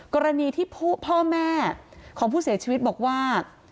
กรณีที่พ่อแม่ของผู้เสียชีวิตบอกว่า